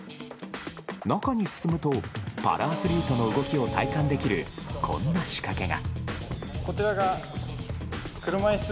中に進むとパラアスリートの動きを体感できるこんな仕掛けが。